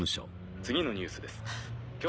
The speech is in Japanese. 次のニュースです。